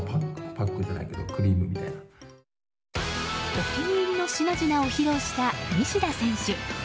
お気に入りの品々を披露した西田選手。